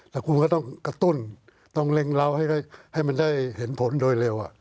แต่คุณก็ต้องกระตุ้นต้องเร่งเราให้มันได้เห็นผลโดยเร็ว